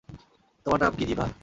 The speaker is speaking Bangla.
তোমার নাম কি যীভা?